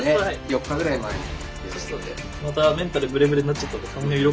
４日ぐらい前に。